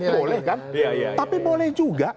boleh kan tapi boleh juga